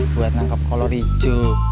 buat nangkep kolor hijau